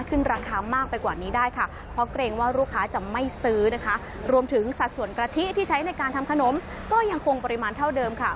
ถ้าใช้ในการทำขนมก็ยังคงปริมาณเท่าเดิมค่ะ